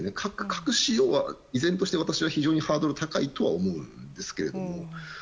核使用は依然として私はハードルが高いと思いますが。